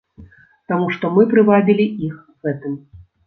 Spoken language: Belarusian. Таму што мы прывабілі іх гэтым.